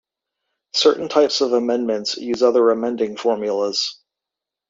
Certain types of amendments use other amending formulas.